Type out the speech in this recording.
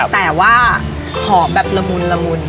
แต่ว่าหอมแบบละมุน